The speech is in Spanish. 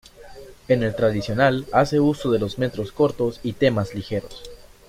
En el tradicional hace uso de los metros cortos y temas ligeros.